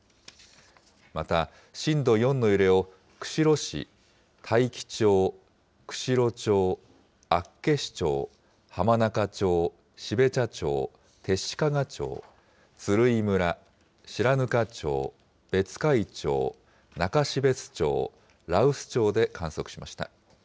また震度４の揺れを釧路市、大樹町、釧路町、厚岸町、浜中町、標茶町、弟子屈町、鶴居村、白糠町、別海町、中標津町、羅臼町で観測しました。